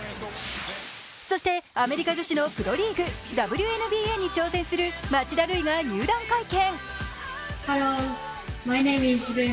そしてアメリカ女子のプロリーグＷＮＢＡに挑戦する町田瑠唯が入団会見。